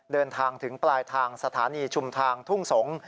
เดินทางถึงปลายทางสถานีชุมทางทุ่งสงศ์